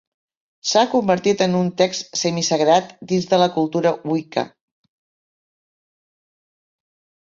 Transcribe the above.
S'ha convertit en un text semi-sagrat dins de la cultura Wicca.